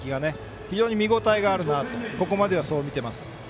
非常に見応えがあるなとここまでは、そう見ています。